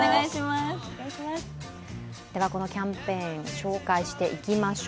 このキャンペーン紹介していきましょう。